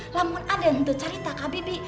namun aden itu cerita kak bibi